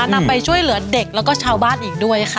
นำไปช่วยเหลือเด็กแล้วก็ชาวบ้านอีกด้วยค่ะ